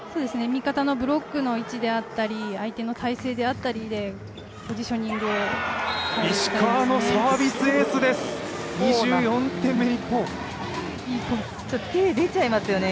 味方のブロックの位置であったりとか相手の体勢であったりでポジショニングを変えますね。